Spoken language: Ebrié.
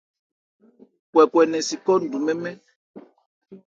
Kwɛkwɛ nɛn si khɔ́ ńdu mɛ́n-mɛ́n.